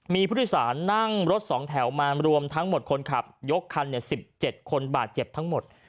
มีผู้ที่สานั่งรถสองแถวมารวมทั้งหมดคนขับยกคันสิบเจ็บคนบาดเจ็บทั้งหมด